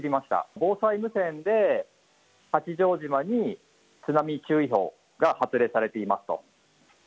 防災無線で八丈島に津波注意報が発令されていますと。